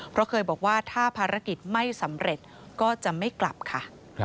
เพราะเคยบอกว่าถ้าภารกิจไม่สำเร็จก็จะไม่กลับค่ะ